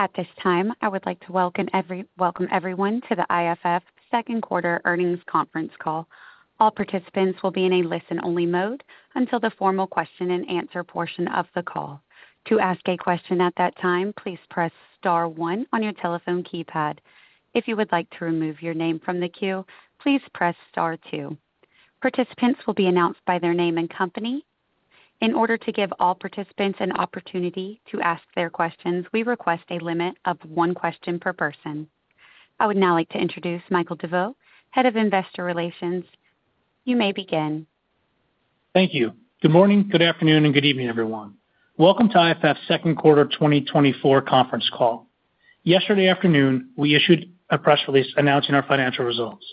At this time, I would like to welcome everyone to the IFF Q2 Earnings Conference Call. All participants will be in a listen-only mode until the formal question-and-answer portion of the call. To ask a question at that time, please press star one on your telephone keypad. If you would like to remove your name from the queue, please press star two. Participants will be announced by their name and company. In order to give all participants an opportunity to ask their questions, we request a limit of one question per person. I would now like to introduce Michael DeVeau, Head of Investor Relations. You may begin. Thank you. Good morning, good afternoon, and good evening, everyone. Welcome to IFF's Q2 2024 Conference Call. Yesterday afternoon, we issued a press release announcing our financial results.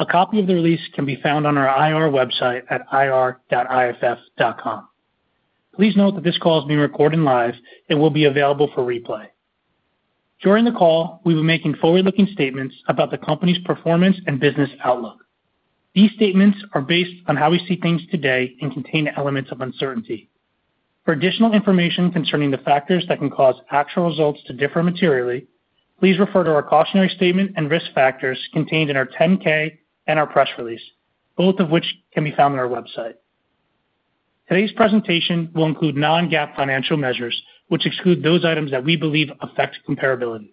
A copy of the release can be found on our IR website at ir.iff.com. Please note that this call is being recorded live and will be available for replay. During the call, we'll be making forward-looking statements about the company's performance and business outlook. These statements are based on how we see things today and contain elements of uncertainty. For additional information concerning the factors that can cause actual results to differ materially, please refer to our cautionary statement and risk factors contained in our 10-K and our press release, both of which can be found on our website. Today's presentation will include non-GAAP financial measures, which exclude those items that we believe affect comparability.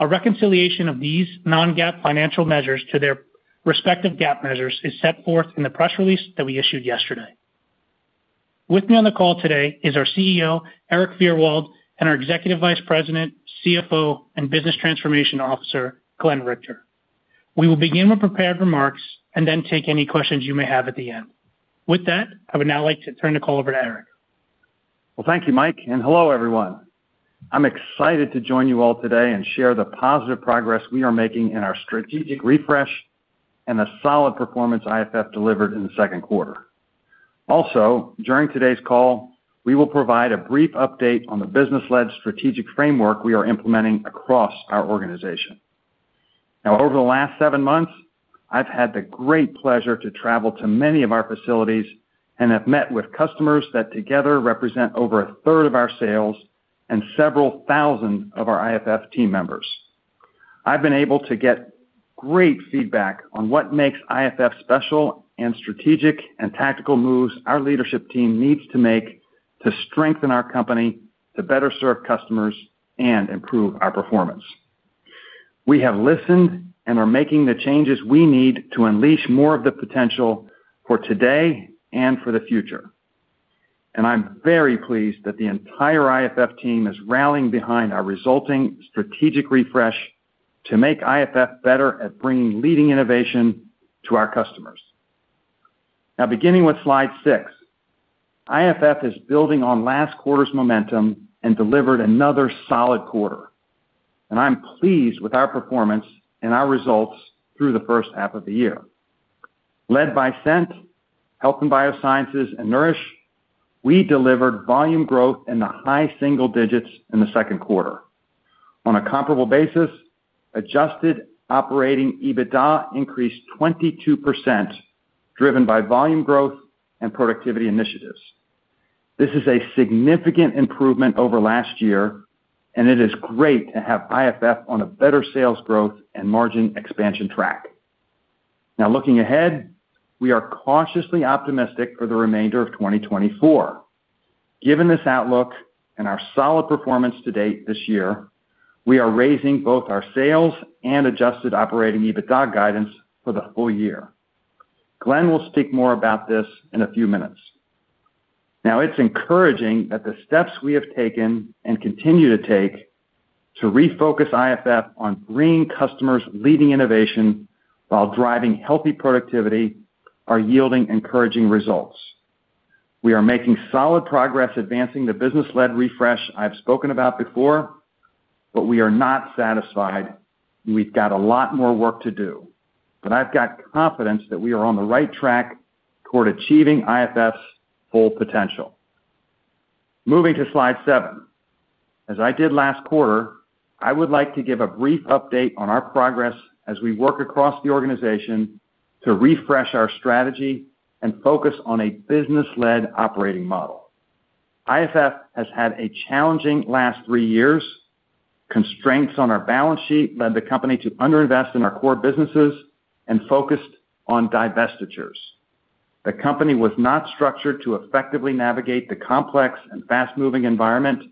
A reconciliation of these non-GAAP financial measures to their respective GAAP measures is set forth in the press release that we issued yesterday. With me on the call today is our CEO, Erik Fyrwald, and our Executive Vice President, CFO, and Business Transformation Officer, Glenn Richter. We will begin with prepared remarks and then take any questions you may have at the end. With that, I would now like to turn the call over to Erik. Well, thank you, Mike, and hello, everyone. I'm excited to join you all today and share the positive progress we are making in our strategic refresh and the solid performance IFF delivered in the Q2. Also, during today's call, we will provide a brief update on the business-led strategic framework we are implementing across our organization. Now, over the last seven months, I've had the great pleasure to travel to many of our facilities and have met with customers that together represent over a third of our sales and several thousand of our IFF team members. I've been able to get great feedback on what makes IFF special and strategic and tactical moves our leadership team needs to make to strengthen our company, to better serve customers, and improve our performance. We have listened and are making the changes we need to unleash more of the potential for today and for the future. I'm very pleased that the entire IFF team is rallying behind our resulting strategic refresh to make IFF better at bringing leading innovation to our customers. Now, beginning with slide six, IFF is building on last quarter's momentum and delivered another solid quarter, and I'm pleased with our performance and our results through the first half of the year. Led by Scent, Health & Biosciences, and Nourish, we delivered volume growth in the high single digits in the Q2. On a comparable basis, Adjusted Operating EBITDA increased 22%, driven by volume growth and productivity initiatives. This is a significant improvement over last year, and it is great to have IFF on a better sales growth and margin expansion track. Now, looking ahead, we are cautiously optimistic for the remainder of 2024. Given this outlook and our solid performance to date this year, we are raising both our sales and Adjusted Operating EBITDA guidance for the full year. Glenn will speak more about this in a few minutes. Now, it's encouraging that the steps we have taken and continue to take to refocus IFF on bringing customers leading innovation while driving healthy productivity are yielding encouraging results. We are making solid progress advancing the business-led refresh I've spoken about before, but we are not satisfied, and we've got a lot more work to do. But I've got confidence that we are on the right track toward achieving IFF's full potential. Moving to slide seven. As I did last quarter, I would like to give a brief update on our progress as we work across the organization to refresh our strategy and focus on a business-led operating model. IFF has had a challenging last three years. Constraints on our balance sheet led the company to underinvest in our core businesses and focused on divestitures. The company was not structured to effectively navigate the complex and fast-moving environment,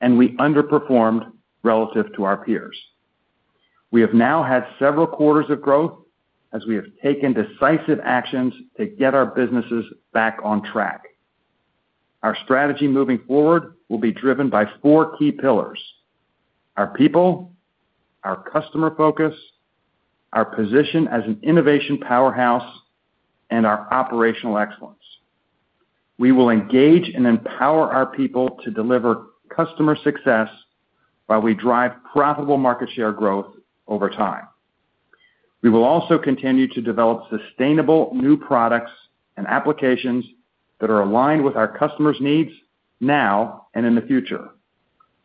and we underperformed relative to our peers. We have now had several quarters of growth as we have taken decisive actions to get our businesses back on track. Our strategy moving forward will be driven by four key pillars: our people, our customer focus, our position as an innovation powerhouse, and our operational excellence. We will engage and empower our people to deliver customer success while we drive profitable market share growth over time. We will also continue to develop sustainable new products and applications that are aligned with our customers' needs now and in the future,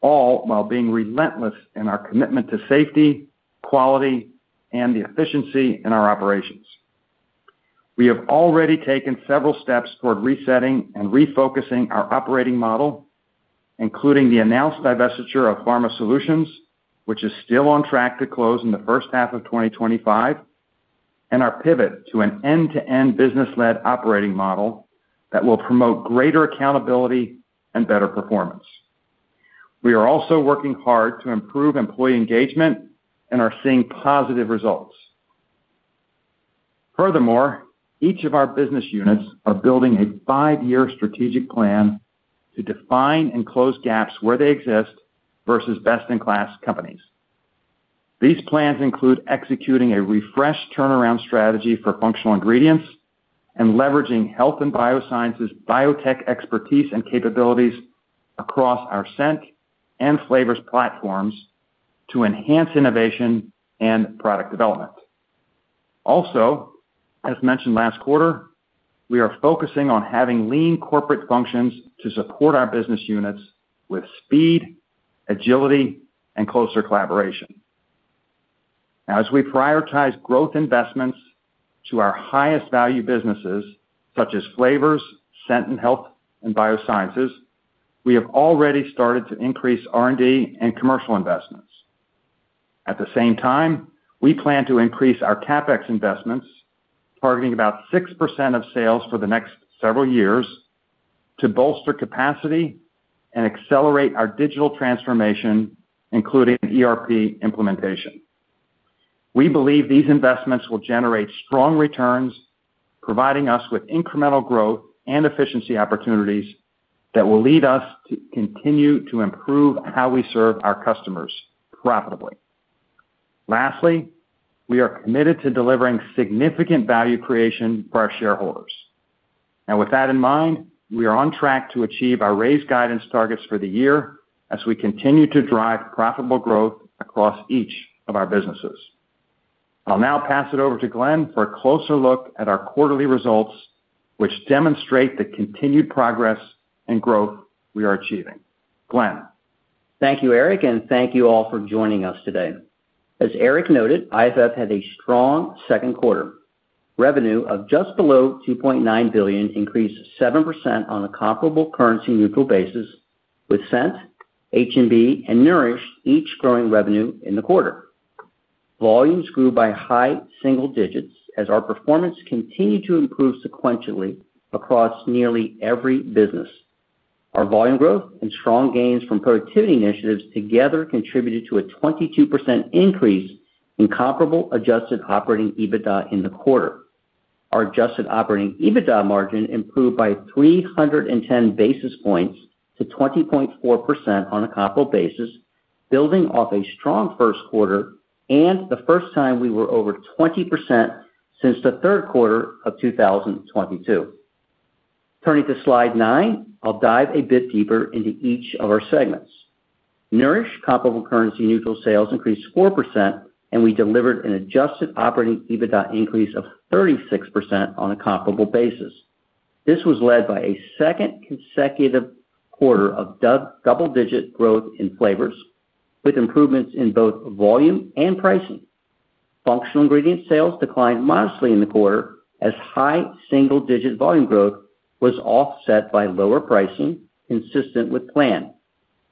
all while being relentless in our commitment to safety, quality, and the efficiency in our operations. We have already taken several steps toward resetting and refocusing our operating model, including the announced divestiture of Pharma Solutions, which is still on track to close in the first half of 2025, and our pivot to an end-to-end business-led operating model that will promote greater accountability and better performance. We are also working hard to improve employee engagement and are seeing positive results. Furthermore, each of our business units are building a 5-year strategic plan to define and close gaps where they exist versus best-in-class companies. These plans include executing a refreshed turnaround strategy for Functional Ingredients and leveraging Health & Biosciences biotech expertise and capabilities across our Scent and Flavors platforms to enhance innovation and product development. Also, as mentioned last quarter, we are focusing on having lean corporate functions to support our business units with speed, agility, and closer collaboration. Now, as we prioritize growth investments to our highest value businesses, such as Flavors, Scent, and Health & Biosciences, we have already started to increase R&D and commercial investments. At the same time, we plan to increase our CapEx investments, targeting about 6% of sales for the next several years, to bolster capacity and accelerate our digital transformation, including ERP implementation. We believe these investments will generate strong returns, providing us with incremental growth and efficiency opportunities that will lead us to continue to improve how we serve our customers profitably. Lastly, we are committed to delivering significant value creation for our shareholders. Now, with that in mind, we are on track to achieve our raised guidance targets for the year as we continue to drive profitable growth across each of our businesses. I'll now pass it over to Glenn for a closer look at our quarterly results, which demonstrate the continued progress and growth we are achieving. Glenn? Thank you, Erik, and thank you all for joining us today. As Erik noted, IFF had a strong Q2. Revenue of just below $2.9 billion increased 7% on a comparable currency neutral basis, with Scent, H&B, and Nourish each growing revenue in the quarter. Volumes grew by high single digits as our performance continued to improve sequentially across nearly every business. Our volume growth and strong gains from productivity initiatives together contributed to a 22% increase in comparable Adjusted Operating EBITDA in the quarter. Our Adjusted Operating EBITDA margin improved by 310 basis points to 20.4% on a comparable basis, building off a strong Q1 and the first time we were over 20% since the Q3 of 2022. Turning to slide nine, I'll dive a bit deeper into each of our segments. Nourish comparable currency neutral sales increased 4%, and we delivered an adjusted operating EBITDA increase of 36% on a comparable basis. This was led by a second consecutive quarter of double-digit growth in Flavors, with improvements in both volume and pricing. Functional ingredient sales declined modestly in the quarter, as high single-digit volume growth was offset by lower pricing, consistent with plan.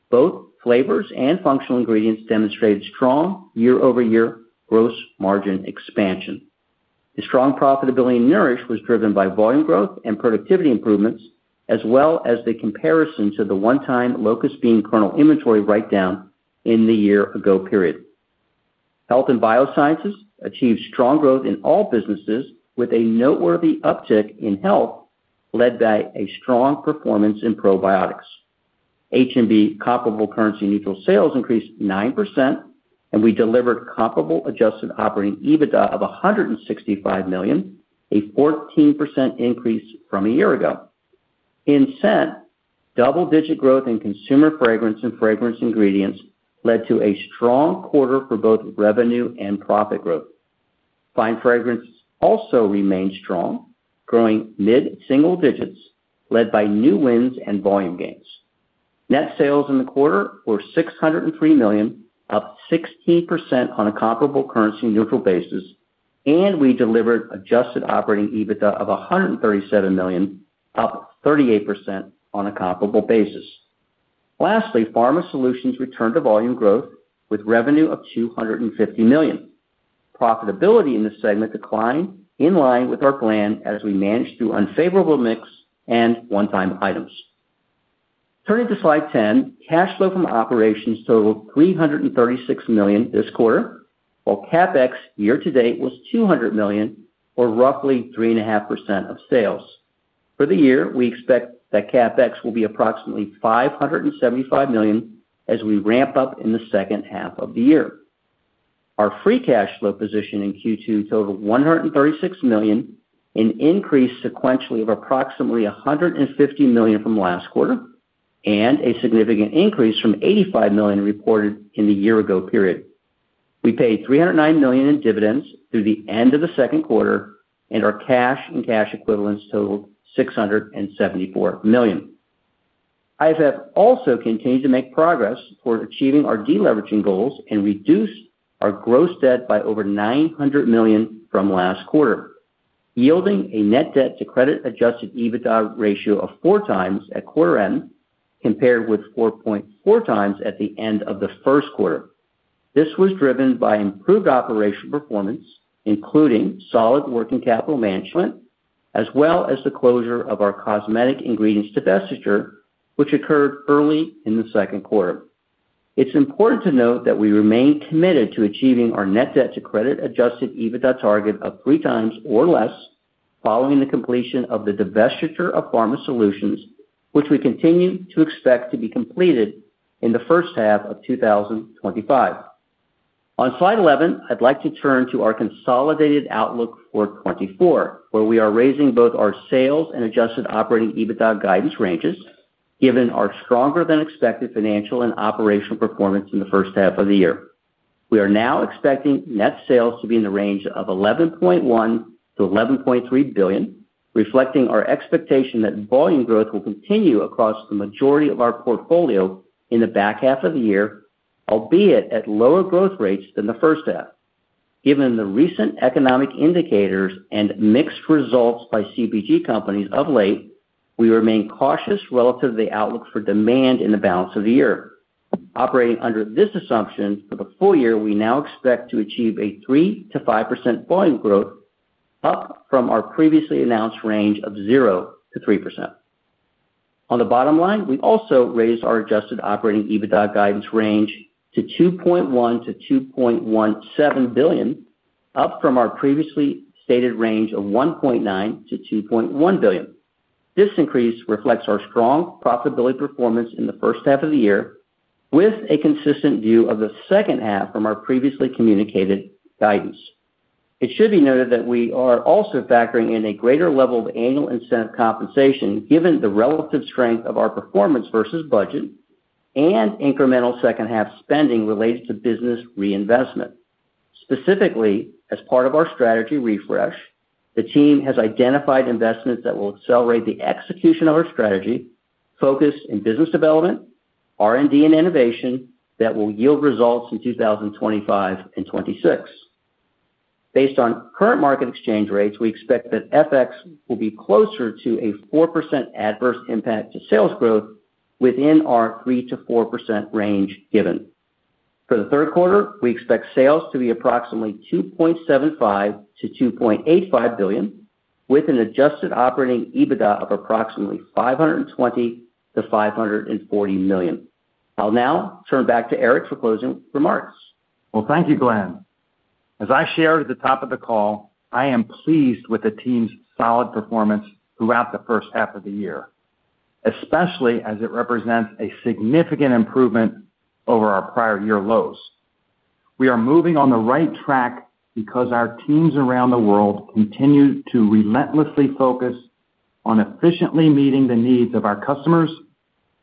Both Flavors and Functional Ingredients demonstrated strong year-over-year gross margin expansion. The strong profitability in Nourish was driven by volume growth and productivity improvements, as well as the comparison to the one-time locust bean kernel inventory write-down in the year-ago period. Health & Biosciences achieved strong growth in all businesses, with a noteworthy uptick in health, led by a strong performance in probiotics. H&B comparable currency neutral sales increased 9%, and we delivered comparable adjusted operating EBITDA of $165 million, a 14% increase from a year ago. In Scent, double-digit growth in Consumer Fragrance and Fragrance Ingredients led to a strong quarter for both revenue and profit growth. Fine Fragrances also remained strong, growing mid-single digits, led by new wins and volume gains. Net sales in the quarter were $603 million, up 16% on a comparable currency neutral basis, and we delivered adjusted operating EBITDA of $137 million, up 38% on a comparable basis. Lastly, Pharma Solutions returned to volume growth with revenue of $250 million. Profitability in this segment declined in line with our plan as we managed through unfavorable mix and one-time items. Turning to slide 10, cash flow from operations totaled $336 million this quarter, while CapEx year to date was $200 million, or roughly 3.5% of sales. For the year, we expect that CapEx will be approximately $575 million as we ramp up in the second half of the year. Our free cash flow position in Q2 totaled $136 million, an increase sequentially of approximately $150 million from last quarter, and a significant increase from $85 million reported in the year-ago period. We paid $309 million in dividends through the end of the Q2, and our cash and cash equivalents totaled $674 million. IFF also continues to make progress toward achieving our deleveraging goals and reduce our gross debt by over $900 million from last quarter, yielding a net debt to credit-adjusted EBITDA ratio of 4x at quarter end, compared with 4.4x at the end of the Q1. This was driven by improved operational performance, including solid working capital management, as well as the closure of our cosmetic ingredients divestiture, which occurred early in the Q2. It's important to note that we remain committed to achieving our net debt to credit-adjusted EBITDA target of 3x or less following the completion of the divestiture of Pharma Solutions, which we continue to expect to be completed in the first half of 2025. On slide 11, I'd like to turn to our consolidated outlook for 2024, where we are raising both our sales and Adjusted Operating EBITDA guidance ranges, given our stronger-than-expected financial and operational performance in the first half of the year. We are now expecting net sales to be in the range of $11.1 to 11.3 billion, reflecting our expectation that volume growth will continue across the majority of our portfolio in the back half of the year, albeit at lower growth rates than the first half. Given the recent economic indicators and mixed results by CPG companies of late, we remain cautious relative to the outlook for demand in the balance of the year. Operating under this assumption, for the full year, we now expect to achieve a 3% to 5% volume growth, up from our previously announced range of 0% to 3%. On the bottom line, we also raised our adjusted operating EBITDA guidance range to $2.1 to 2.17 billion, up from our previously stated range of $1.9 to 2.1 billion. This increase reflects our strong profitability performance in the first half of the year, with a consistent view of the second half from our previously communicated guidance. It should be noted that we are also factoring in a greater level of annual incentive compensation, given the relative strength of our performance versus budget and incremental second-half spending related to business reinvestment. Specifically, as part of our strategy refresh, the team has identified investments that will accelerate the execution of our strategy, focus in business development, R&D, and innovation that will yield results in 2025 and 2026. Based on current market exchange rates, we expect that FX will be closer to a 4% adverse impact to sales growth within our 3% to 4% range given. For the Q3, we expect sales to be approximately $2.75 to 2.85 billion, with an adjusted operating EBITDA of approximately $520 to 540 million. I'll now turn back to Erik for closing remarks. Well, thank you, Glenn. As I shared at the top of the call, I am pleased with the team's solid performance throughout the first half of the year, especially as it represents a significant improvement over our prior year lows. We are moving on the right track because our teams around the world continue to relentlessly focus on efficiently meeting the needs of our customers,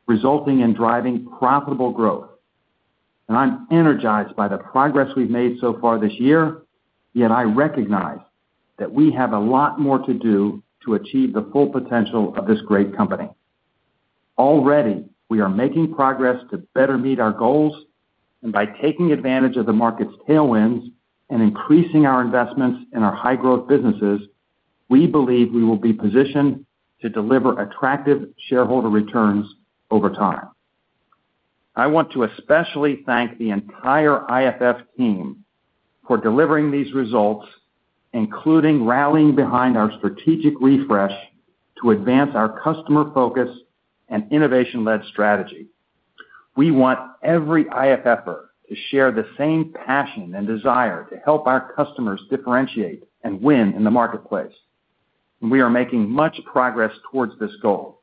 resulting in driving profitable growth. And I'm energized by the progress we've made so far this year, yet I recognize that we have a lot more to do to achieve the full potential of this great company. Already, we are making progress to better meet our goals, and by taking advantage of the market's tailwinds and increasing our investments in our high-growth businesses, we believe we will be positioned to deliver attractive shareholder returns over time. I want to especially thank the entire IFF team for delivering these results, including rallying behind our strategic refresh to advance our customer focus and innovation-led strategy. We want every IFFer to share the same passion and desire to help our customers differentiate and win in the marketplace, and we are making much progress towards this goal.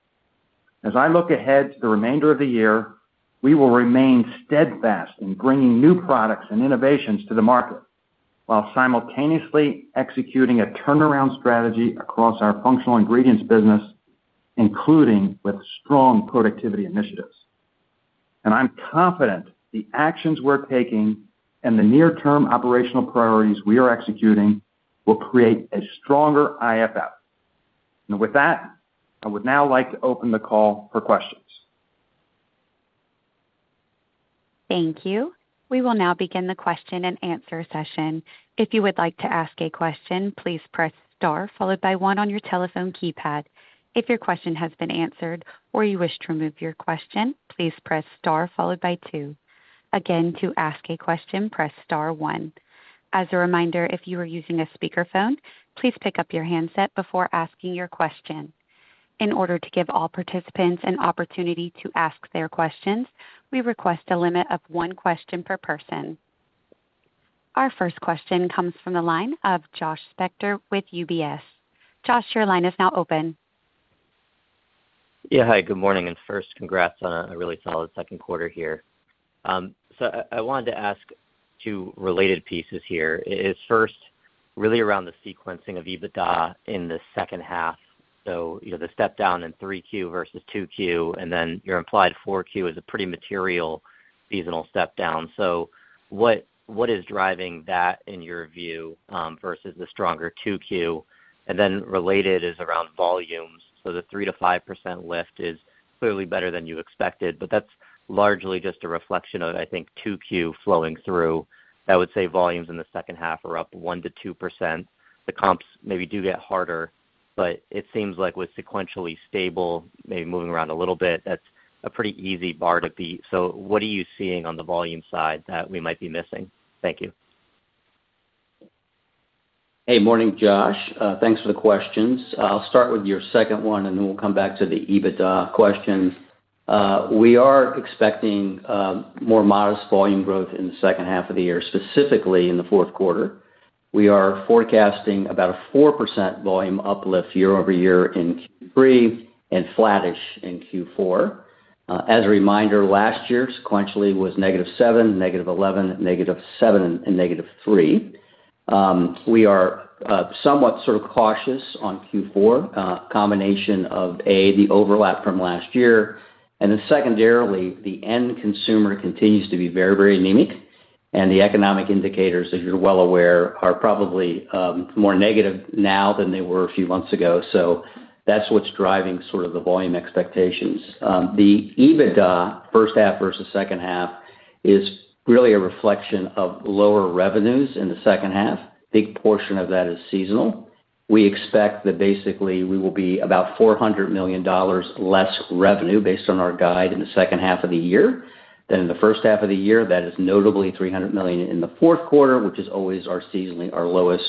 As I look ahead to the remainder of the year, we will remain steadfast in bringing new products and innovations to the market, while simultaneously executing a turnaround strategy across our Functional Ingredients business, including with strong productivity initiatives. I'm confident the actions we're taking and the near-term operational priorities we are executing will create a stronger IFF. With that, I would now like to open the call for questions. Thank you. We will now begin the question-and-answer session. If you would like to ask a question, please press star followed by one on your telephone keypad. If your question has been answered or you wish to remove your question, please press star followed by two. Again, to ask a question, press star one. As a reminder, if you are using a speakerphone, please pick up your handset before asking your question. In order to give all participants an opportunity to ask their questions, we request a limit of one question per person. Our first question comes from the line of Josh Spector with UBS. Josh, your line is now open. Yeah. Hi, good morning, and first, congrats on a really solid Q2 here. So I wanted to ask two related pieces here. Is first really around the sequencing of EBITDA in the second half. So, you know, the step down in 3Q versus 2Q, and then your implied 4Q is a pretty material seasonal step down. So what is driving that in your view versus the stronger 2Q? And then related is around volumes. So the 3% to 5% lift is clearly better than you expected, but that's largely just a reflection of, I think, 2Q flowing through. I would say volumes in the second half are up 1% to 2%. The comps maybe do get harder, but it seems like with sequentially stable, maybe moving around a little bit, that's a pretty easy bar to beat. So what are you seeing on the volume side that we might be missing? Thank you. Hey, morning, Josh. Thanks for the questions. I'll start with your second one, and then we'll come back to the EBITDA question. We are expecting more modest volume growth in the second half of the year, specifically in the Q4. We are forecasting about a 4% volume uplift year-over-year in Q3 and flattish in Q4. As a reminder, last year, sequentially, was -7%, -11%, -7%, and -3%. We are somewhat sort of cautious on Q4, combination of, A, the overlap from last year, and then secondarily, the end consumer continues to be very, very anemic, and the economic indicators, as you're well aware, are probably more negative now than they were a few months ago. So that's what's driving sort of the volume expectations. The EBITDA, first half versus second half, is really a reflection of lower revenues in the second half. Big portion of that is seasonal. We expect that basically we will be about $400 million less revenue based on our guide in the second half of the year than in the first half of the year. That is notably $300 million in the Q4, which is always our seasonally our lowest.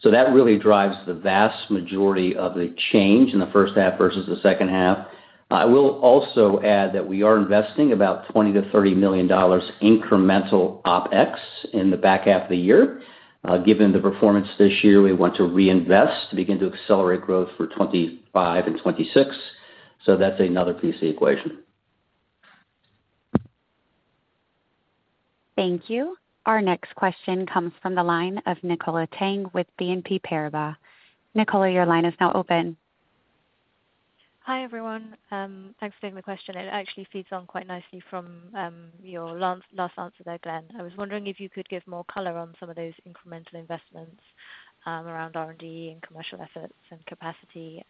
So that really drives the vast majority of the change in the first half versus the second half. I will also add that we are investing about $20 to $30 million incremental OpEx in the back half of the year. Given the performance this year, we want to reinvest to begin to accelerate growth for 2025 and 2026. So that's another piece of the equation. Thank you. Our next question comes from the line of Nicola Tang with BNP Paribas. Nicola, your line is now open. Hi, everyone. Thanks for taking the question. It actually feeds on quite nicely from your last answer there, Glenn. I was wondering if you could give more color on some of those incremental investments around R&D and commercial efforts and capacity.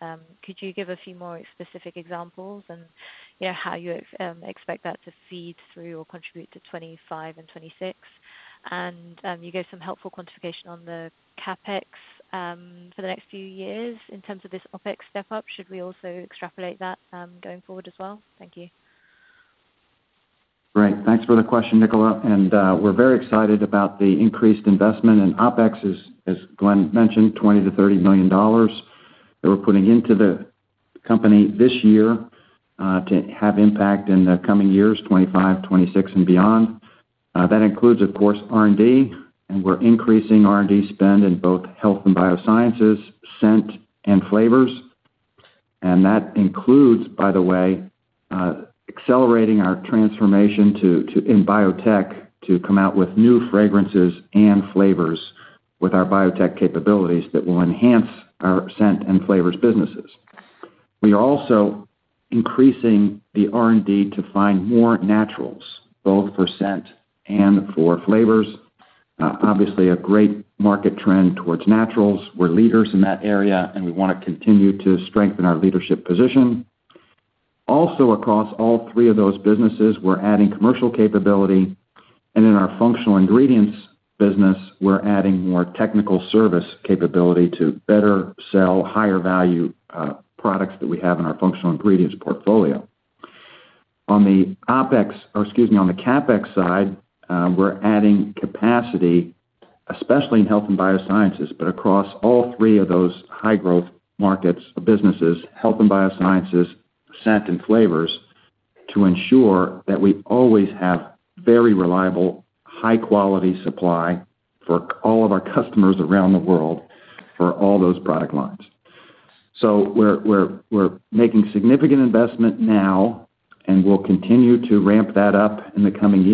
Could you give a few more specific examples and, yeah, how you expect that to feed through or contribute to 2025 and 2026? And you gave some helpful quantification on the CapEx for the next few years in terms of this OpEx step up. Should we also extrapolate that going forward as well? Thank you. Great. Thanks for the question, Nicola, and we're very excited about the increased investment in OpEx, as Glenn mentioned, $20 to 30 million that we're putting into the company this year, to have impact in the coming years, 2025, 2026 and beyond. That includes, of course, R&D, and we're increasing R&D spend in both Health & Biosciences, Scent and Flavors. And that includes, by the way, accelerating our transformation to in biotech, to come out with new fragrances and Flavors with our biotech capabilities that will enhance our Scent and Flavors businesses. We are also increasing the R&D to find more naturals, both for Scent and for Flavors. Obviously a great market trend towards naturals. We're leaders in that area, and we wanna continue to strengthen our leadership position. Also, across all three of those businesses, we're adding commercial capability, and in our Functional Ingredients business, we're adding more technical service capability to better sell higher value products that we have in our Functional Ingredients portfolio. On the OpEx, or excuse me, on the CapEx side, we're adding capacity, especially in Health & Biosciences, but across all three of those high growth markets, businesses, Health & Biosciences, Scent and Flavors, to ensure that we always have very reliable, high quality supply for all of our customers around the world for all those product lines. So we're making significant investment now, and we'll continue to ramp that up in the coming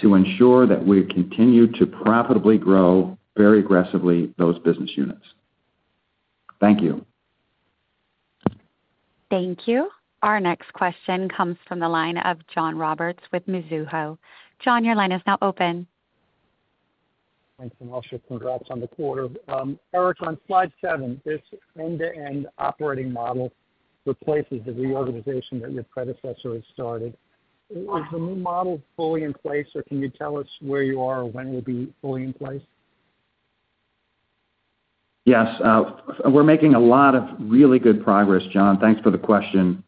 years to ensure that we continue to profitably grow very aggressively those business units. Thank you. Thank you. Our next question comes from the line of John Roberts with Mizuho. John, your line is now open. Thanks, and also congrats on the quarter. Erik, on slide seven, this end-to-end operating model replaces the reorganization that your predecessor has started. Is the new model fully in place, or can you tell us where you are or when it'll be fully in place? Yes, we're making a lot of really good progress, John. Thanks for the question.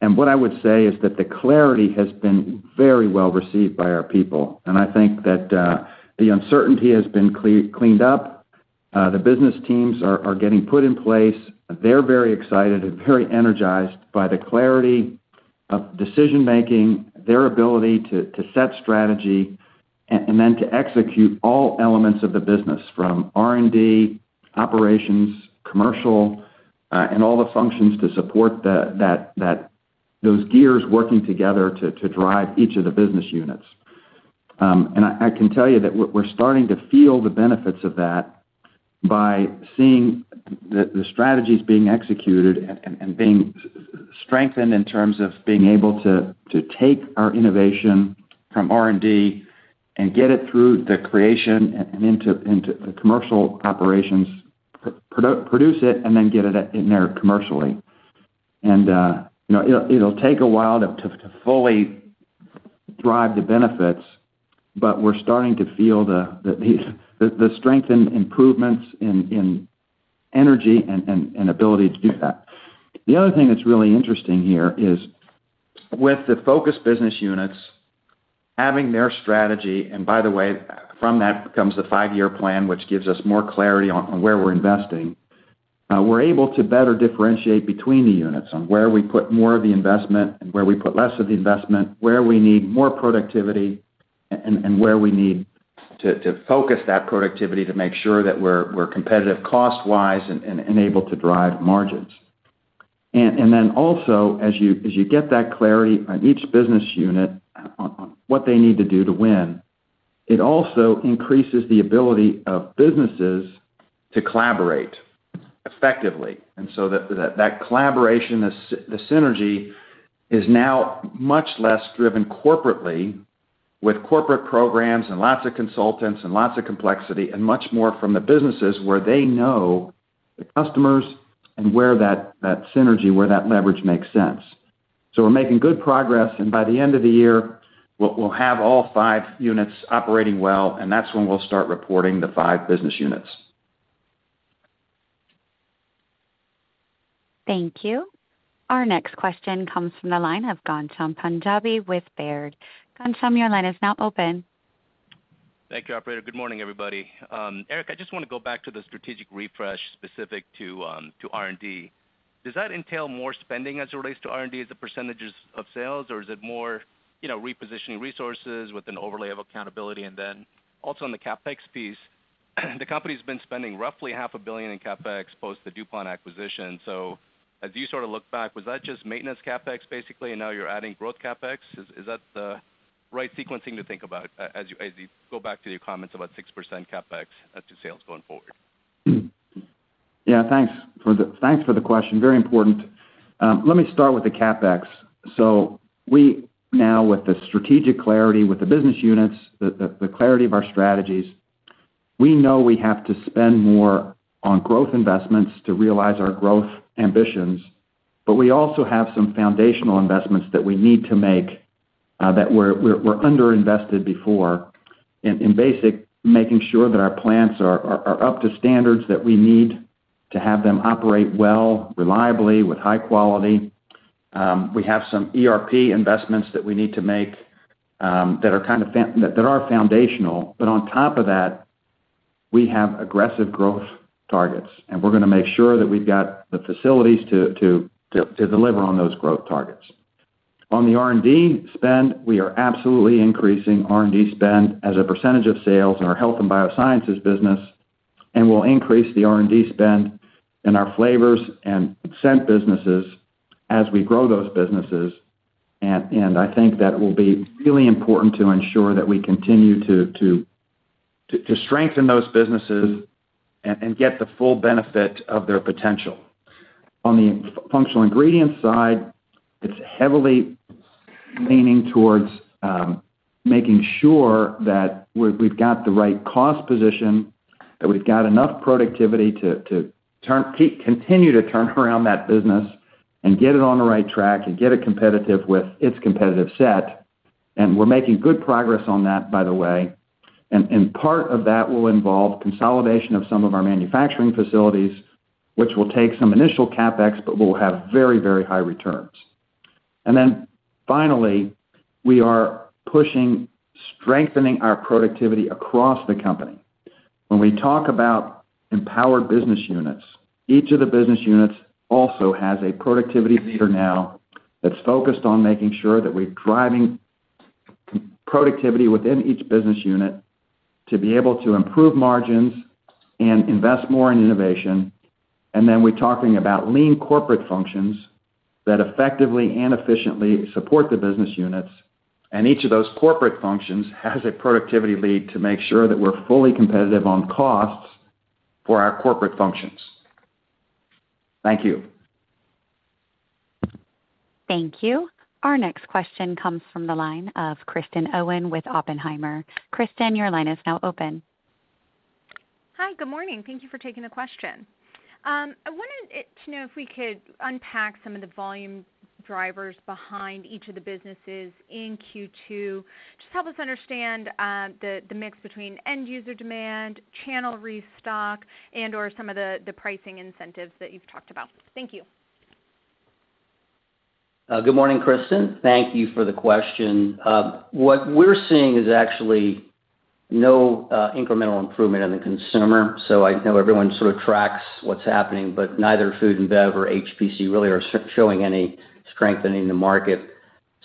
And what I would say is that the clarity has been very well received by our people, and I think that the uncertainty has been cleaned up. The business teams are getting put in place. They're very excited and very energized by the clarity of decision-making, their ability to set strategy, and then to execute all elements of the business, from R&D, operations, commercial, and all the functions to support that strategy. Those gears working together to drive each of the business units. And I can tell you that we're starting to feel the benefits of that by seeing the strategies being executed and being strengthened in terms of being able to take our innovation from R&D and get it through the creation and into the commercial operations, produce it, and then get it in there commercially. And you know, it'll take a while to fully drive the benefits, but we're starting to feel the strength and improvements in energy and ability to do that. The other thing that's really interesting here is with the focus business units, having their strategy, and by the way, from that comes the five-year plan, which gives us more clarity on where we're investing. We're able to better differentiate between the units on where we put more of the investment and where we put less of the investment, where we need more productivity, and where we need to focus that productivity to make sure that we're competitive cost-wise and able to drive margins. And then also, as you get that clarity on each business unit on what they need to do to win, it also increases the ability of businesses to collaborate effectively. And so that collaboration, the synergy, is now much less driven corporately with corporate programs and lots of consultants and lots of complexity, and much more from the businesses where they know the customers and where that synergy, where that leverage makes sense. We're making good progress, and by the end of the year, we'll have all five units operating well, and that's when we'll start reporting the five business units. Thank you. Our next question comes from the line of Ghansham Panjabi with Baird. Ghansham, your line is now open. Thank you, operator. Good morning, everybody. Erik, I just want to go back to the strategic refresh specific to R&D. Does that entail more spending as it relates to R&D as the percentages of sales, or is it more, you know, repositioning resources with an overlay of accountability? And then also on the CapEx piece, the company's been spending roughly $500 million in CapEx post the DuPont acquisition. So as you sort of look back, was that just maintenance CapEx, basically, and now you're adding growth CapEx? Is that the right sequencing to think about as you go back to your comments about 6% CapEx to sales going forward? Yeah, thanks for the question. Very important. Let me start with the CapEx. So we now, with the strategic clarity, with the business units, the clarity of our strategies, we know we have to spend more on growth investments to realize our growth ambitions, but we also have some foundational investments that we need to make, that were underinvested before, in basic, making sure that our plants are up to standards that we need to have them operate well, reliably, with high quality. We have some ERP investments that we need to make, that are kind of found, that are foundational, but on top of that, we have aggressive growth targets, and we're going to make sure that we've got the facilities to deliver on those growth targets. On the R&D spend, we are absolutely increasing R&D spend as a percentage of sales in our Health & Biosciences business, and we'll increase the R&D spend in our Flavors and Scent businesses as we grow those businesses. I think that will be really important to ensure that we continue to strengthen those businesses and get the full benefit of their potential. On the Functional Ingredients side, it's heavily leaning towards making sure that we've got the right cost position, that we've got enough productivity to continue to turn around that business and get it on the right track and get it competitive with its competitive set. We're making good progress on that, by the way, and, and part of that will involve consolidation of some of our manufacturing facilities, which will take some initial CapEx, but will have very, very high returns. Then finally, we are pushing, strengthening our productivity across the company. When we talk about empowered business units, each of the business units also has a productivity leader now that's focused on making sure that we're driving productivity within each business unit to be able to improve margins and invest more in innovation. Then we're talking about lean corporate functions that effectively and efficiently support the business units, and each of those corporate functions has a productivity lead to make sure that we're fully competitive on costs for our corporate functions. Thank you. Thank you. Our next question comes from the line of Kristen Owen with Oppenheimer. Kristen, your line is now open. Hi, good morning. Thank you for taking the question. I wanted to know if we could unpack some of the volume drivers behind each of the businesses in Q2. Just help us understand the mix between end-user demand, channel restock, and/or some of the pricing incentives that you've talked about. Thank you. Good morning, Kristen. Thank you for the question. What we're seeing is actually no incremental improvement in the consumer. So I know everyone sort of tracks what's happening, but neither food and bev or HPC really are showing any strengthening the market.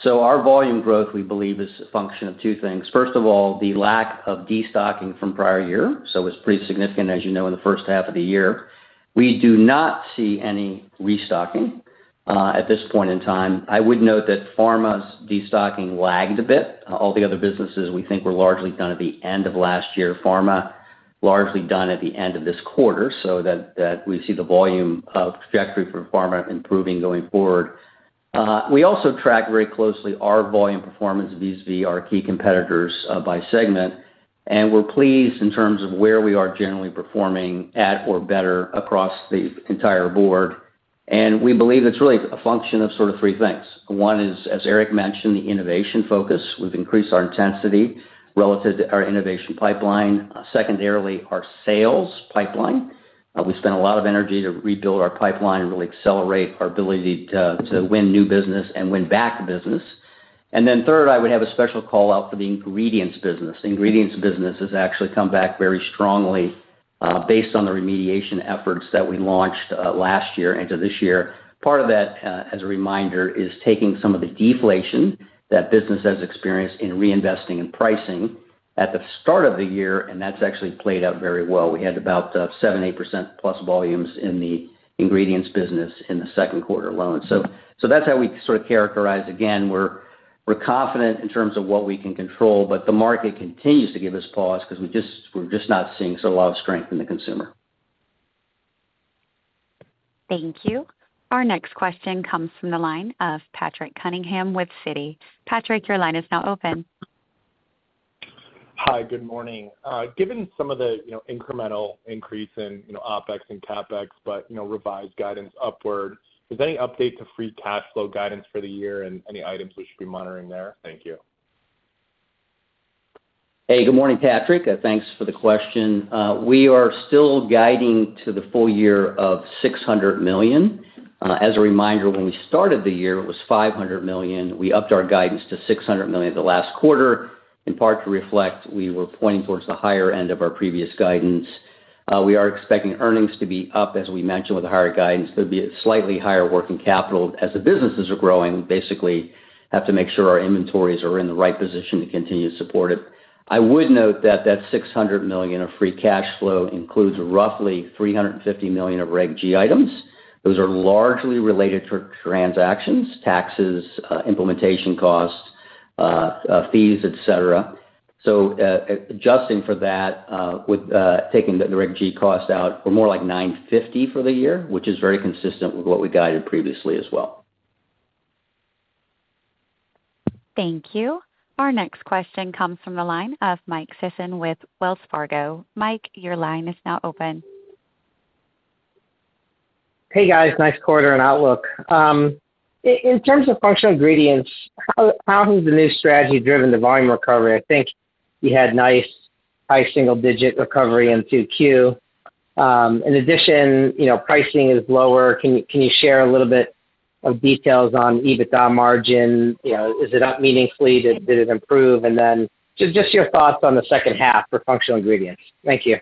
So our volume growth, we believe, is a function of two things. First of all, the lack of destocking from prior year, so it's pretty significant, as you know, in the first half of the year. We do not see any restocking at this point in time. I would note that pharma's destocking lagged a bit. All the other businesses we think were largely done at the end of last year. Pharma, largely done at the end of this quarter, so that we see the volume of trajectory for pharma improving going forward. We also track very closely our volume performance vis-a-vis our key competitors by segment, and we're pleased in terms of where we are generally performing at or better across the entire board. And we believe it's really a function of sort of three things. One is, as Erik mentioned, the innovation focus. We've increased our intensity relative to our innovation pipeline. Secondarily, our sales pipeline. We spent a lot of energy to rebuild our pipeline and really accelerate our ability to win new business and win back business. And then third, I would have a special call out for the ingredients business. Ingredients business has actually come back very strongly, based on the remediation efforts that we launched, last year into this year. Part of that, as a reminder, is taking some of the deflation that business has experienced in reinvesting in pricing at the start of the year, and that's actually played out very well. We had about 7% to 8%+ volumes in the ingredients business in the Q2 alone. So, that's how we sort of characterize. Again, we're confident in terms of what we can control, but the market continues to give us pause because we're just not seeing a lot of strength in the consumer. Thank you. Our next question comes from the line of Patrick Cunningham with Citi. Patrick, your line is now open. Hi, good morning. Given some of the, you know, incremental increase in, you know, OpEx and CapEx, but, you know, revised guidance upward, is there any update to free cash flow guidance for the year and any items we should be monitoring there? Thank you. Hey, good morning, Patrick. Thanks for the question. We are still guiding to the full year of $600 million. As a reminder, when we started the year, it was $500 million. We upped our guidance to $600 million the last quarter, in part to reflect we were pointing towards the higher end of our previous guidance. We are expecting earnings to be up, as we mentioned, with the higher guidance. There'd be a slightly higher working capital. As the businesses are growing, we basically have to make sure our inventories are in the right position to continue to support it. I would note that that $600 million of free cash flow includes roughly $350 million of Reg G items. Those are largely related for transactions, taxes, implementation costs, fees, et cetera. Adjusting for that, taking the Reg G cost out, we're more like $9.50 for the year, which is very consistent with what we guided previously as well. Thank you. Our next question comes from the line of Mike Sisson with Wells Fargo. Mike, your line is now open. Hey, guys, nice quarter and outlook. In terms of Functional Ingredients, how has the new strategy driven the volume recovery? I think you had nice high single-digit recovery in 2Q. In addition, you know, pricing is lower. Can you share a little bit of details on EBITDA margin? You know, is it up meaningfully? Did it improve? And then just your thoughts on the second half for Functional Ingredients. Thank you.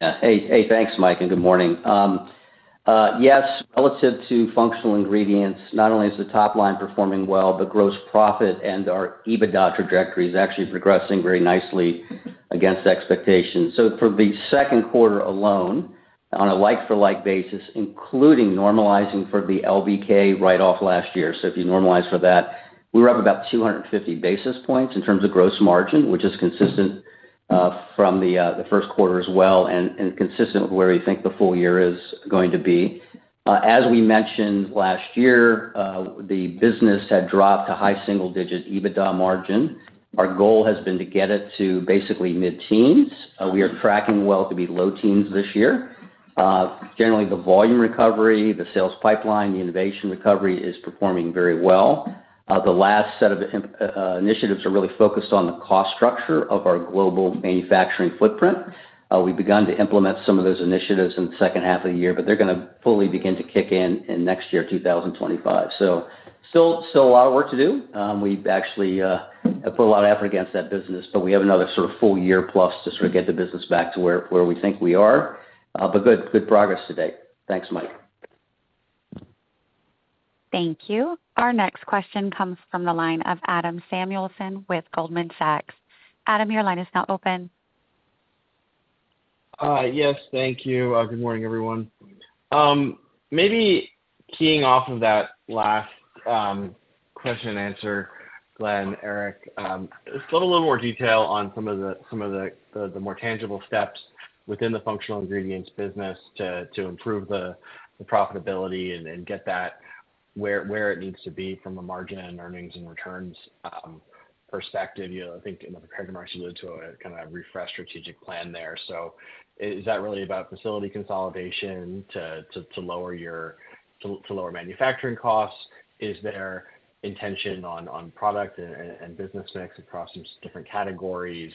Hey, hey, thanks, Mike, and good morning. Yes, relative to Functional Ingredients, not only is the top line performing well, but gross profit and our EBITDA trajectory is actually progressing very nicely against expectations. So for the Q2 alone, on a like-for-like basis, including normalizing for the LVI write-off last year, so if you normalize for that, we're up about 250 basis points in terms of gross margin, which is consistent from the Q1 as well and consistent with where we think the full year is going to be. As we mentioned last year, the business had dropped to high single-digit EBITDA margin. Our goal has been to get it to basically mid-teens. We are tracking well to be low teens this year. Generally, the volume recovery, the sales pipeline, the innovation recovery is performing very well. The last set of initiatives are really focused on the cost structure of our global manufacturing footprint. We've begun to implement some of those initiatives in the second half of the year, but they're gonna fully begin to kick in in next year, 2025. So still, still a lot of work to do. We've actually put a lot of effort against that business, but we have another sort of full year plus to sort of get the business back to where, where we think we are. But good, good progress today. Thanks, Mike. Thank you. Our next question comes from the line of Adam Samuelson with Goldman Sachs. Adam, your line is now open. Yes, thank you. Good morning, everyone. Maybe keying off of that last question and answer, Glenn, Erik, just a little more detail on some of the more tangible steps within the Functional Ingredients business to improve the profitability and get that where it needs to be from a margin and earnings and returns perspective. You know, I think, you know, the credit markets allude to a kind of refreshed strategic plan there. So is that really about facility consolidation to lower manufacturing costs? Is there intention on product and business mix across these different categories?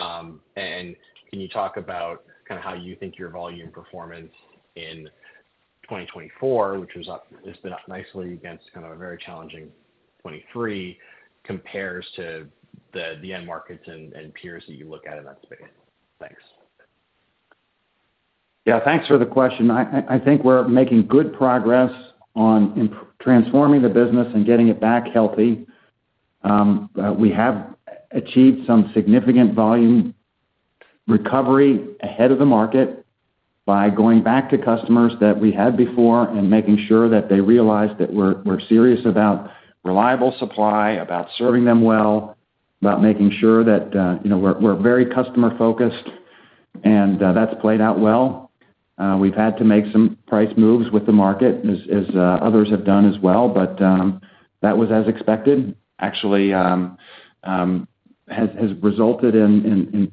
Can you talk about kind of how you think your volume performance in 2024, which was up, has been up nicely against kind of a very challenging 2023, compares to the end markets and peers that you look at in that space? Thanks. Yeah, thanks for the question. I think we're making good progress on transforming the business and getting it back healthy. We have achieved some significant volume recovery ahead of the market by going back to customers that we had before and making sure that they realize that we're serious about reliable supply, about serving them well, about making sure that, you know, we're very customer-focused, and that's played out well. We've had to make some price moves with the market, as others have done as well, but that was as expected. Actually, has resulted in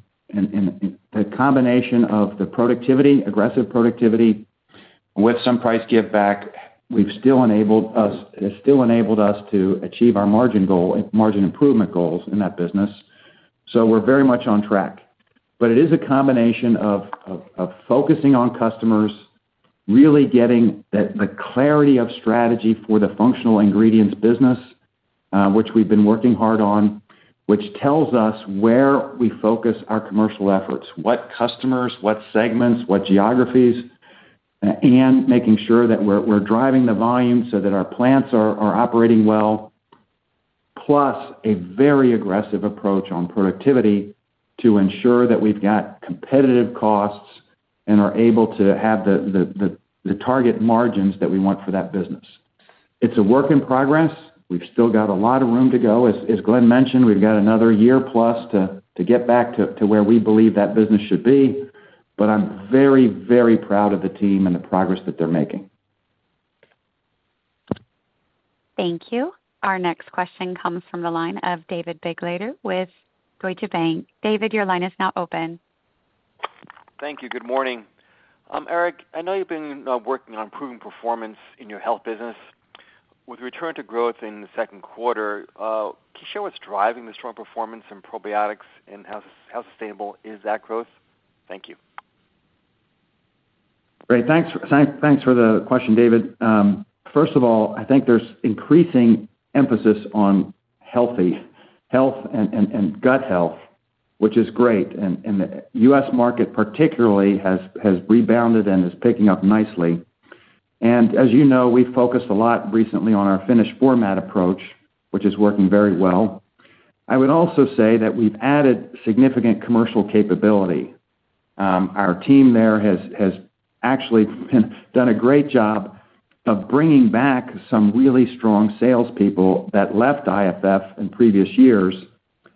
a combination of the productivity, aggressive productivity, with some price give back. It's still enabled us to achieve our margin goal, margin improvement goals in that business, so we're very much on track. But it is a combination of focusing on customers, really getting the clarity of strategy for the Functional Ingredients business, which we've been working hard on, which tells us where we focus our commercial efforts, what customers, what segments, what geographies, and making sure that we're driving the volume so that our plants are operating well, plus a very aggressive approach on productivity to ensure that we've got competitive costs and are able to have the target margins that we want for that business. It's a work in progress. We've still got a lot of room to go. As Glenn mentioned, we've got another year plus to get back to where we believe that business should be, but I'm very, very proud of the team and the progress that they're making. Thank you. Our next question comes from the line of David Begleiter with Deutsche Bank. David, your line is now open. Thank you. Good morning. Erik, I know you've been working on improving performance in your health business. With return to growth in the Q2, can you share what's driving the strong performance in probiotics, and how, how sustainable is that growth? Thank you. Great. Thanks, thanks for the question, David. First of all, I think there's increasing emphasis on health and gut health, which is great, and the U.S. market particularly has rebounded and is picking up nicely. And as you know, we've focused a lot recently on our finished format approach, which is working very well. I would also say that we've added significant commercial capability. Our team there has actually done a great job of bringing back some really strong salespeople that left IFF in previous years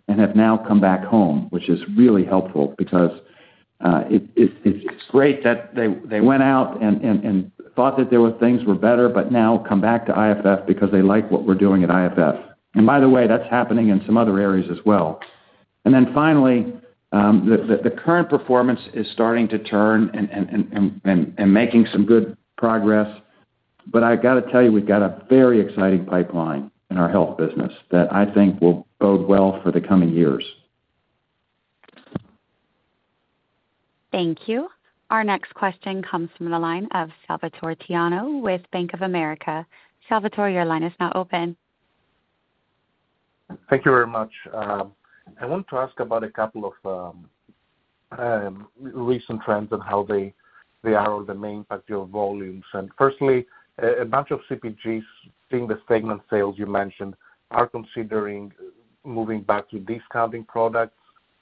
and have now come back home, which is really helpful because it's great that they went out and thought that things were better, but now come back to IFF because they like what we're doing at IFF. And by the way, that's happening in some other areas as well. And then finally, the current performance is starting to turn and making some good progress. But I gotta tell you, we've got a very exciting pipeline in our health business that I think will bode well for the coming years. Thank you. Our next question comes from the line of Salvatore Tiano with Bank of America. Salvatore, your line is now open. Thank you very much. I want to ask about a couple of recent trends and how they are the main impact your volumes. And firstly, a bunch of CPGs, seeing the segment sales you mentioned, are considering moving back to discounting products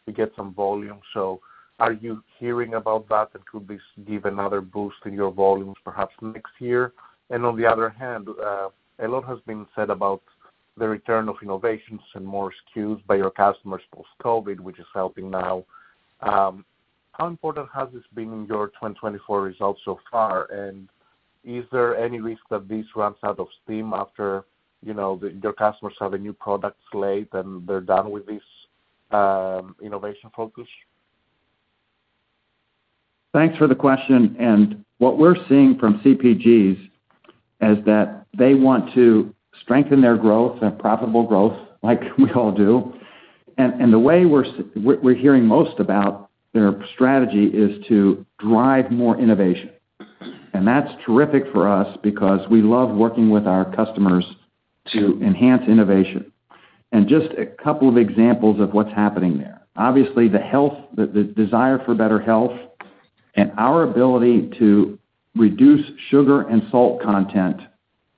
to get some volume. So are you hearing about that, and could this give another boost in your volumes, perhaps next year? And on the other hand, a lot has been said about the return of innovations and more SKUs by your customers post-COVID, which is helping now. How important has this been in your 2024 results so far? And is there any risk that this runs out of steam after, you know, your customers have a new product slate, and they're done with this innovation focus? Thanks for the question, and what we're seeing from CPGs is that they want to strengthen their growth and profitable growth, like we all do. And the way we're hearing most about their strategy is to drive more innovation. And that's terrific for us because we love working with our customers to enhance innovation. And just a couple of examples of what's happening there. Obviously, the health, the desire for better health and our ability to reduce sugar and salt content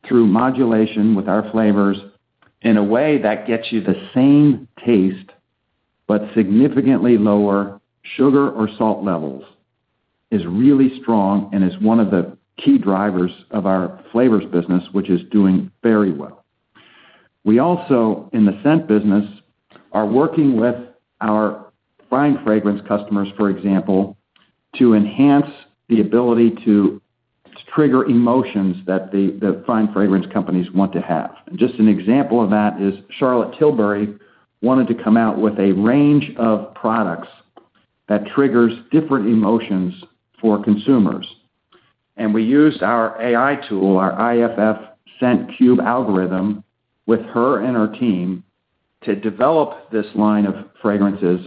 through modulation with our Flavors in a way that gets you the same taste, but significantly lower sugar or salt levels, is really strong and is one of the key drivers of our Flavors business, which is doing very well. We also, in the Scent business, are working with our fine fragrance customers, for example, to enhance the ability to trigger emotions that the fine fragrance companies want to have. Just an example of that is Charlotte Tilbury wanted to come out with a range of products that triggers different emotions for consumers. And we used our AI tool, our IFF ScentCube algorithm, with her and her team to develop this line of fragrances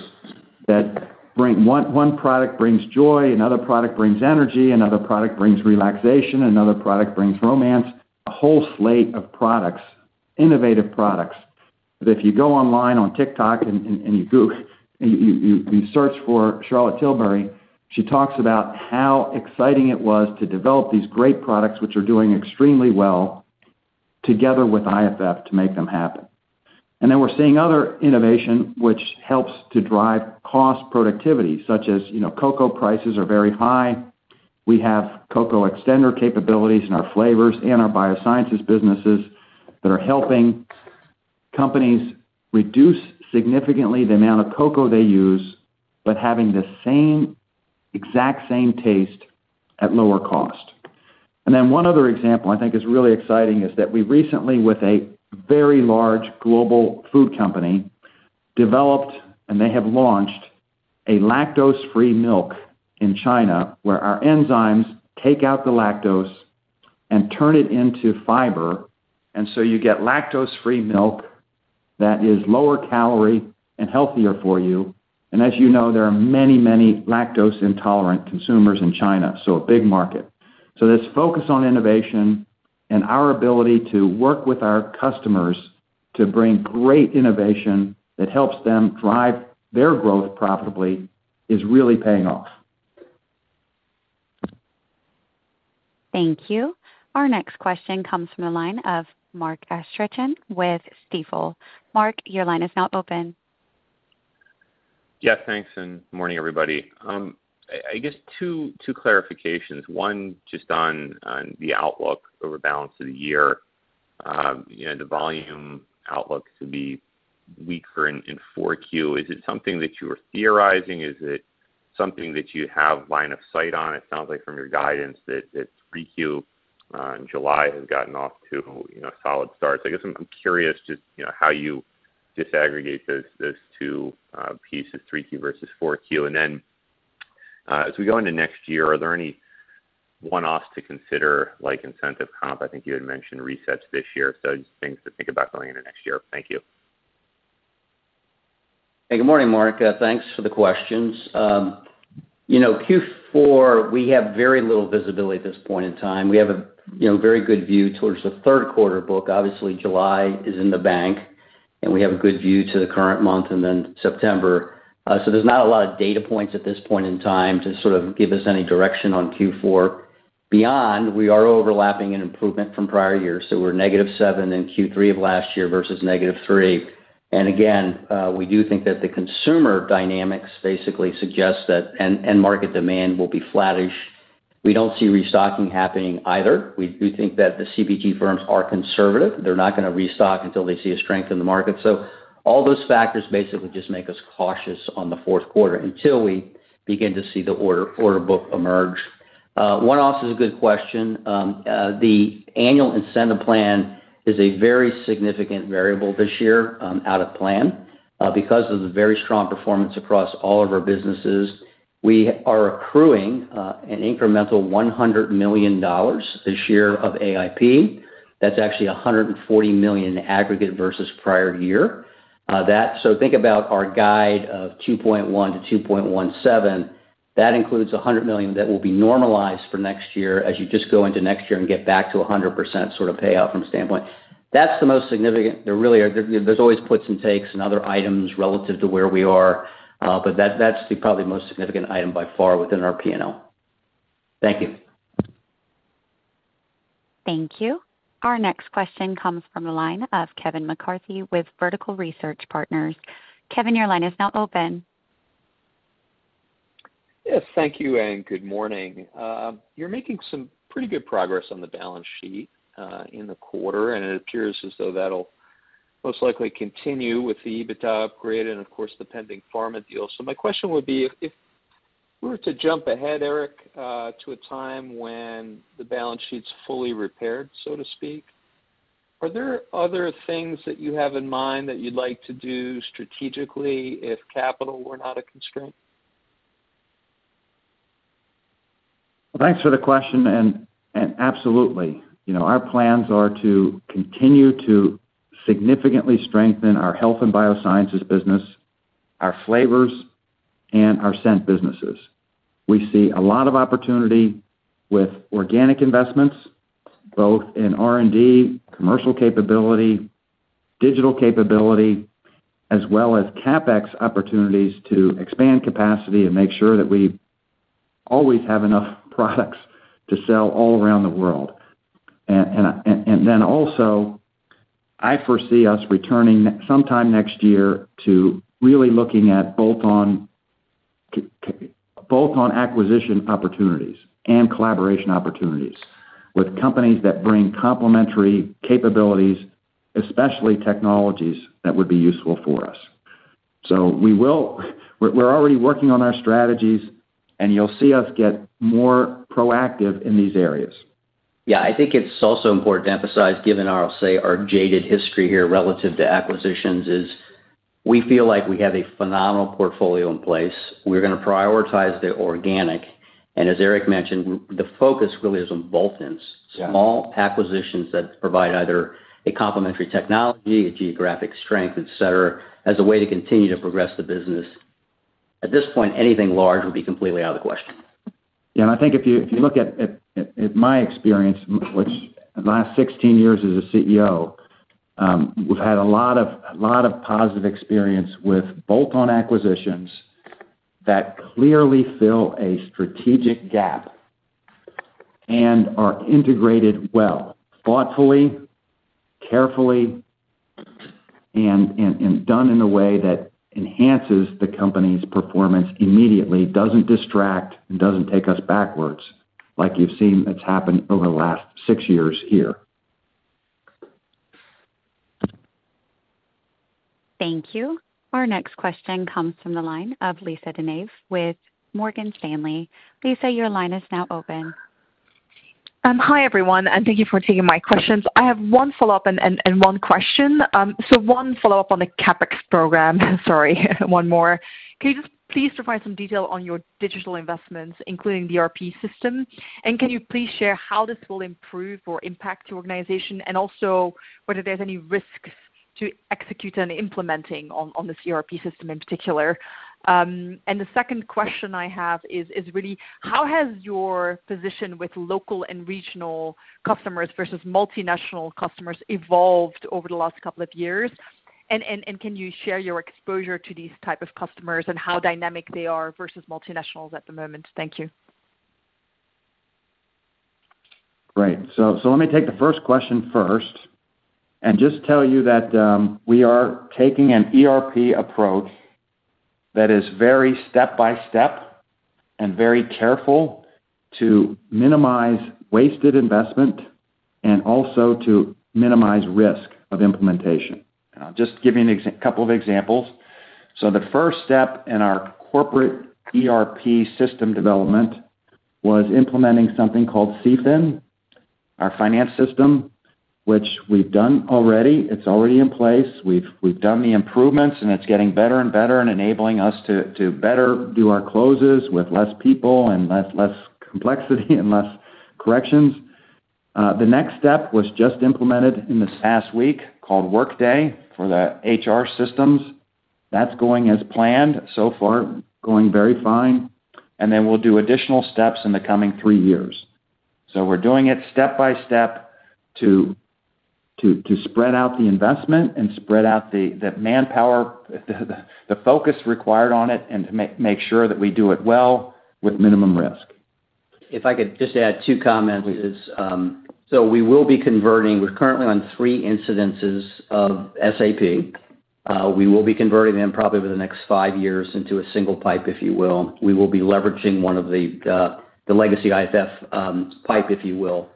that bring one product brings joy, another product brings energy, another product brings relaxation, another product brings romance. A whole slate of products, innovative products. If you go online on TikTok and you go, you search for Charlotte Tilbury, she talks about how exciting it was to develop these great products, which are doing extremely well, together with IFF to make them happen. And then we're seeing other innovation, which helps to drive cost productivity, such as, you know, cocoa prices are very high. We have Cocoa Extender capabilities in our Flavors and our biosciences businesses that are helping companies reduce significantly the amount of cocoa they use, but having the same, exact same taste at lower cost. And then one other example I think is really exciting is that we recently, with a very large global food company, developed, and they have launched, a lactose-free milk in China, where our enzymes take out the lactose and turn it into fiber. And so you get lactose-free milk that is lower calorie and healthier for you. And as you know, there are many, many lactose intolerant consumers in China, so a big market. This focus on innovation and our ability to work with our customers to bring great innovation that helps them drive their growth profitably is really paying off. Thank you. Our next question comes from the line of Mark Astrachan with Stifel. Mark, your line is now open. Yeah, thanks, and morning, everybody. I guess two, two clarifications. One, just on the outlook over the balance of the year. You know, the volume outlook to be weaker in 4Q. Is it something that you are theorizing? Is it something that you have line of sight on? It sounds like from your guidance that 3Q in July has gotten off to, you know, a solid start. So I guess I'm curious just, you know, how you disaggregate those, those two pieces, 3Q versus 4Q. And then as we go into next year, are there any one-offs to consider, like incentive comp? I think you had mentioned resets this year, so things to think about going into next year. Thank you. Hey, good morning, Mark. Thanks for the questions. You know, Q4, we have very little visibility at this point in time. We have you know, very good view towards the Q3 book. Obviously, July is in the bank, and we have a good view to the current month and then September. So there's not a lot of data points at this point in time to sort of give us any direction on Q4. Beyond, we are overlapping an improvement from prior years, so we're -7 in Q3 of last year versus -3. And again, we do think that the consumer dynamics basically suggest that end market demand will be flattish. We don't see restocking happening either. We do think that the CPG firms are conservative. They're not gonna restock until they see a strength in the market. So all those factors basically just make us cautious on the Q4 until we begin to see the order, order book emerge. One-off is a good question. The annual incentive plan is a very significant variable this year, out of plan. Because of the very strong performance across all of our businesses, we are accruing an incremental $100 million this year of AIP. That's actually $140 million in aggregate versus prior year. So think about our guide of $2.1 to 2.17. That includes $100 million that will be normalized for next year as you just go into next year and get back to 100% sort of payout from standpoint. That's the most significant. There, there's always puts and takes and other items relative to where we are, but that's probably the most significant item by far within our P&L. Thank you. Thank you. Our next question comes from the line of Kevin McCarthy with Vertical Research Partners. Kevin, your line is now open. Yes, thank you, and good morning. You're making some pretty good progress on the balance sheet in the quarter, and it appears as though that'll most likely continue with the EBITDA upgrade and, of course, the pending pharma deal. So my question would be, if we were to jump ahead, Erik, to a time when the balance sheet's fully repaired, so to speak, are there other things that you have in mind that you'd like to do strategically if capital were not a constraint? Well, thanks for the question, and absolutely. You know, our plans are to continue to significantly strengthen our Health and Biosciences business, our Flavors, and our Scent businesses. We see a lot of opportunity with organic investments, both in R&D, commercial capability, digital capability, as well as CapEx opportunities to expand capacity and make sure that we always have enough products to sell all around the world. And then also, I foresee us returning sometime next year to really looking at both acquisition opportunities and collaboration opportunities with companies that bring complementary capabilities, especially technologies that would be useful for us. So we're already working on our strategies, and you'll see us get more proactive in these areas. Yeah, I think it's also important to emphasize, given our, I'll say, our jaded history here relative to acquisitions, is we feel like we have a phenomenal portfolio in place. We're gonna prioritize the organic, and as Erik mentioned, the focus really is on bolt-ons. Yeah. Small acquisitions that provide either a complementary technology, a geographic strength, et cetera, as a way to continue to progress the business. At this point, anything large would be completely out of the question. Yeah, and I think if you look at my experience, which the last 16 years as a CEO, we've had a lot of positive experience with bolt-on acquisitions that clearly fill a strategic gap and are integrated well, thoughtfully, carefully, and done in a way that enhances the company's performance immediately, doesn't distract, and doesn't take us backwards, like you've seen it's happened over the last six years here. Thank you. Our next question comes from the line of Lisa De Neve with Morgan Stanley. Lisa, your line is now open. Hi, everyone, and thank you for taking my questions. I have one follow-up and one question. So one follow-up on the CapEx program. Sorry, one more. Can you just please provide some detail on your digital investments, including the ERP system? And can you please share how this will improve or impact your organization, and also whether there's any risks to execute on implementing on this ERP system in particular? And the second question I have is really how has your position with local and regional customers versus multinational customers evolved over the last couple of years? And can you share your exposure to these type of customers and how dynamic they are versus multinationals at the moment? Thank you. Great. So let me take the first question first and just tell you that we are taking an ERP approach that is very step-by-step and very careful to minimize wasted investment and also to minimize risk of implementation. I'll just give you a couple of examples. So the first step in our corporate ERP system development was implementing something called CFIN, our finance system, which we've done already. It's already in place. We've done the improvements, and it's getting better and better and enabling us to better do our closes with less people and less complexity and less corrections. The next step was just implemented in this past week, called Workday, for the HR systems. That's going as planned, so far, going very fine. And then we'll do additional steps in the coming three years. So we're doing it step-by-step to spread out the investment and spread out the manpower, the focus required on it, and to make sure that we do it well with minimum risk. If I could just add two comments is, so we will be converting. We're currently on three incidences of SAP. We will be converting them probably over the next five years into a single pipe, if you will. We will be leveraging one of the, the legacy IFF, pipe, if you will.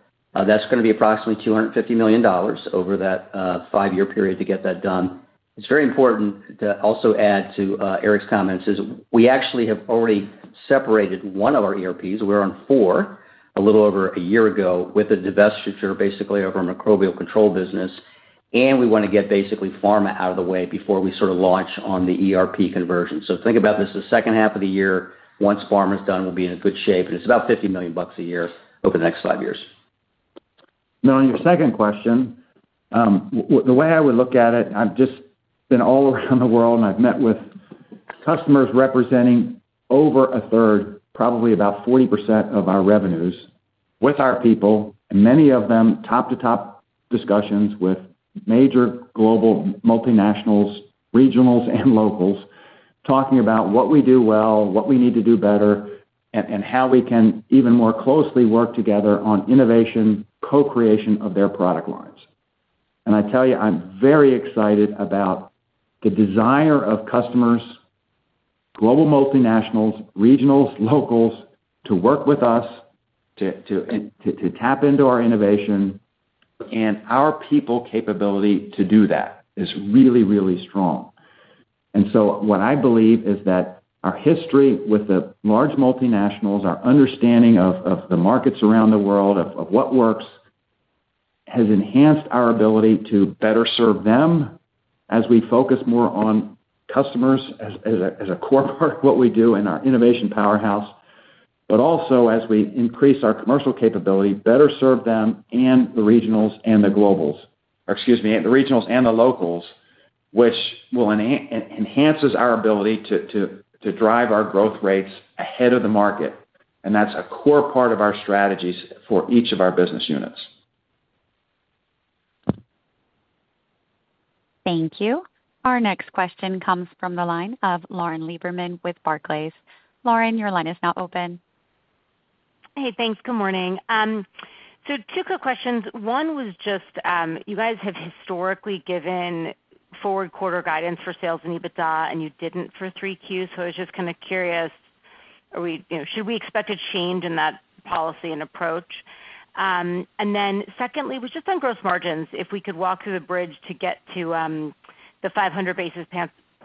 That's gonna be approximately $250 million over that, five-year period to get that done. It's very important to also add to, Erik's comments, is we actually have already separated one of our ERPs, we're on four, a little over a year ago, with a divestiture, basically, of our Microbial Control business. And we wanna get, basically, pharma out of the way before we sort of launch on the ERP conversion. Think about this, the second half of the year, once pharma's done, we'll be in a good shape, and it's about $50 million a year over the next 5 years. Now, on your second question, the way I would look at it, I've just been all around the world, and I've met with customers representing over a third, probably about 40% of our revenues, with our people, and many of them top-to-top discussions with major global multinationals, regionals and locals, talking about what we do well, what we need to do better, and how we can even more closely work together on innovation, co-creation of their product lines. And I tell you, I'm very excited about the desire of customers, global multinationals, regionals, locals, to work with us, and to tap into our innovation, and our people capability to do that is really, really strong. And so what I believe is that our history with the large multinationals, our understanding of the markets around the world, of what works, has enhanced our ability to better serve them as we focus more on customers as a core part of what we do in our innovation powerhouse, but also as we increase our commercial capability, better serve them and the regionals and the globals. Or excuse me, the regionals and the locals, which will enhances our ability to drive our growth rates ahead of the market, and that's a core part of our strategies for each of our business units. Thank you. Our next question comes from the line of Lauren Lieberman with Barclays. Lauren, your line is now open. Hey, thanks. Good morning. So two quick questions. One was just, you guys have historically given forward quarter guidance for sales and EBITDA, and you didn't for 3Q. So I was just kind of curious, are we, you know, should we expect a change in that policy and approach? And then secondly, was just on gross margins, if we could walk through the bridge to get to, the 500 basis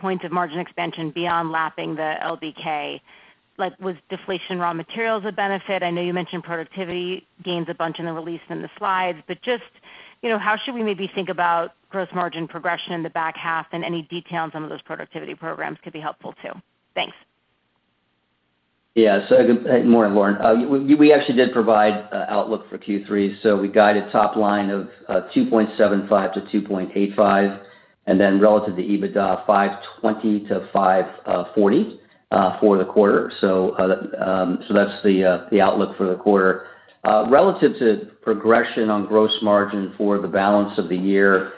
points of margin expansion beyond lapping the LVI. Like, was deflation raw materials a benefit? I know you mentioned productivity gains a bunch in the release in the slides. But just, you know, how should we maybe think about gross margin progression in the back half, and any detail on some of those productivity programs could be helpful, too. Thanks. Yeah, so good morning, Lauren. We actually did provide outlook for Q3. So we guided top line of $2.75 to 2.85 billion, and then relative to EBITDA, $520 to 540 million for the quarter. So that's the outlook for the quarter. Relative to progression on gross margin for the balance of the year,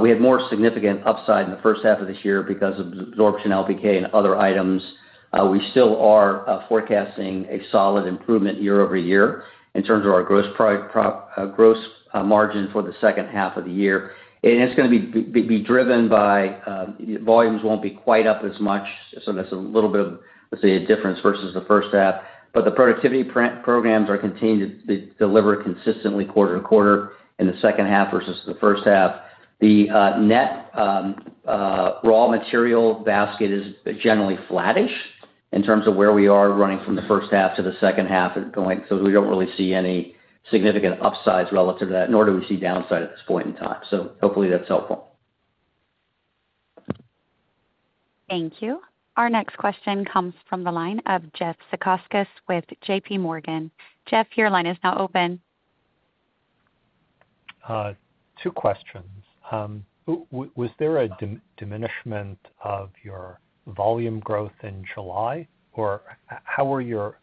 we had more significant upside in the first half of this year because of absorption, LPK and other items. We still are forecasting a solid improvement year-over-year in terms of our gross margin for the second half of the year. It's gonna be driven by volumes won't be quite up as much, so there's a little bit of, let's say, a difference versus the first half. But the productivity programs are continuing to deliver consistently quarter to quarter in the second half versus the first half. The net raw material basket is generally flattish in terms of where we are running from the first half to the second half and going. So we don't really see any significant upsides relative to that, nor do we see downside at this point in time. So hopefully that's helpful. Thank you. Our next question comes from the line of Jeffrey Zekauskas with J.P. Morgan. Jeffrey, your line is now open. Two questions. Was there a diminishment of your volume growth in July? Or how were your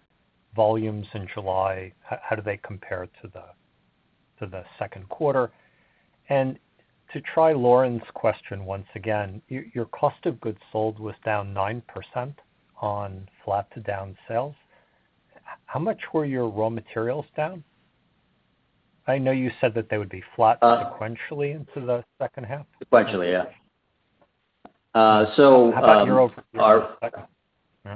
volumes in July? How do they compare to the Q2? And to try Lauren's question once again, your cost of goods sold was down 9% on flat to down sales. How much were your raw materials down? I know you said that they would be flat sequentially into the second half. Sequentially, yeah. So, our- Yeah.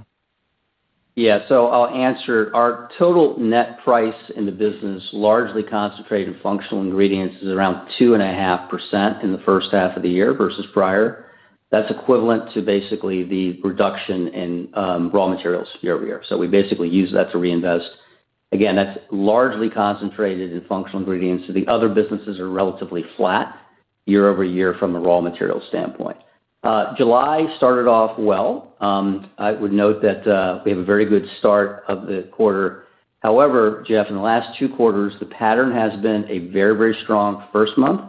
Yeah, so I'll answer. Our total net price in the business, largely concentrated in Functional Ingredients, is around 2.5% in the first half of the year versus prior. That's equivalent to basically the reduction in raw materials year-over-year. So we basically use that to reinvest. Again, that's largely concentrated in Functional Ingredients, so the other businesses are relatively flat year-over-year from a raw material standpoint. July started off well. I would note that we have a very good start of the quarter. However, Jeff, in the last two quarters, the pattern has been a very, very strong first month,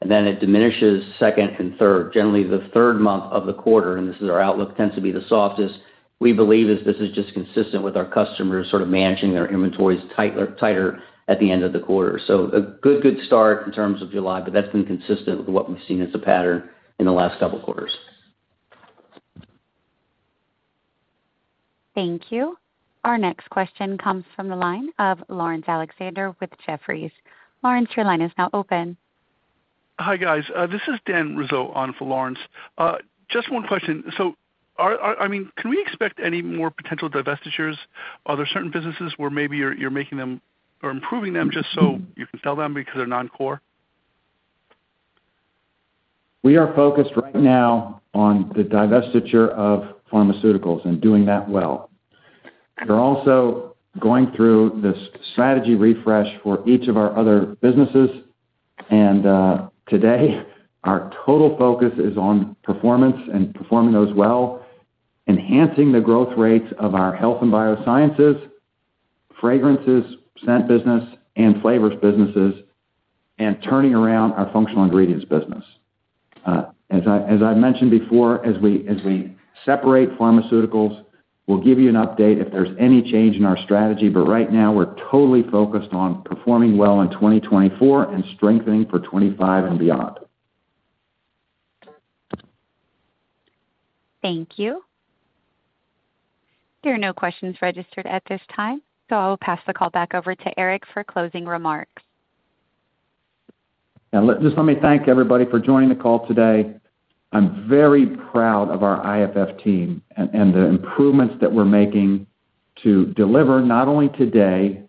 and then it diminishes second and third. Generally, the third month of the quarter, and this is our outlook, tends to be the softest. We believe this is just consistent with our customers sort of managing their inventories tighter, tighter at the end of the quarter. So a good, good start in terms of July, but that's been consistent with what we've seen as a pattern in the last couple quarters. Thank you. Our next question comes from the line of Laurence Alexander with Jefferies. Laurence, your line is now open. Hi, guys. This is Dan Rizzo on for Laurence. Just one question. So I mean, can we expect any more potential divestitures? Are there certain businesses where maybe you're making them or improving them just so you can sell them because they're non-core? We are focused right now on the divestiture of pharmaceuticals and doing that well. We're also going through this strategy refresh for each of our other businesses, and today, our total focus is on performance and performing those well, enhancing the growth rates of our Health and Biosciences, fragrances, Scent business and Flavors businesses, and turning around our Functional Ingredients business. As I've mentioned before, as we separate pharmaceuticals, we'll give you an update if there's any change in our strategy, but right now we're totally focused on performing well in 2024 and strengthening for 2025 and beyond. Thank you. There are no questions registered at this time, so I'll pass the call back over to Erik for closing remarks. And just let me thank everybody for joining the call today. I'm very proud of our IFF team and the improvements that we're making to deliver, not only today,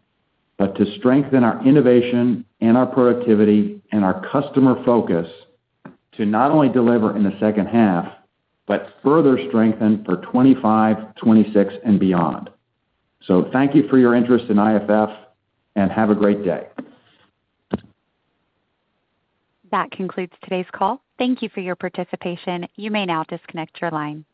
but to strengthen our innovation and our productivity and our customer focus to not only deliver in the second half, but further strengthen for 2025, 2026 and beyond. So thank you for your interest in IFF, and have a great day. That concludes today's call. Thank you for your participation. You may now disconnect your line.